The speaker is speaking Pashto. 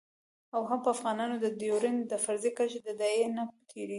او هم به افغانان د ډیورند د فرضي کرښې د داعیې نه تیریږي